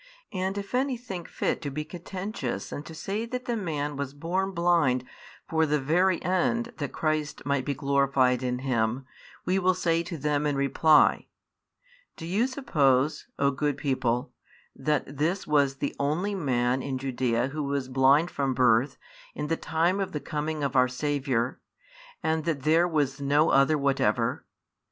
And if any think fit to be contentious and say that the man was born blind for the very end that Christ might be glorified in him, we will say to them in reply: Do you suppose, O good people, that this was the only man in Judea who was blind from birth in the time of the coming of our Saviour, and that there was no other whatever?